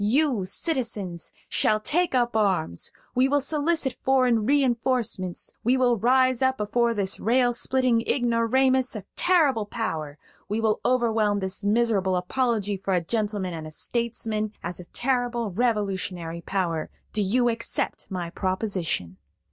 You, citizens, shall take up arms; we will solicit foreign re enforcements; we will rise up before this rail splitting ignoramus a terrible power; we will overwhelm this miserable apology for a gentleman and a statesman as a terrible revolutionary power. Do you accept my proposition?"